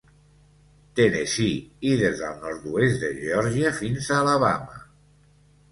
Tennessee i des del nord-oest de Geòrgia fins a Alabama.